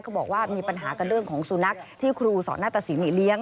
บอกว่ามีปัญหากันเรื่องของสุนัขที่ครูสอนหน้าตะสินเลี้ยง